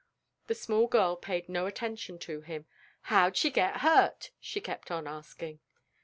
The small girl paid no attention to him. "How'd she get hurt?" she kept on asking.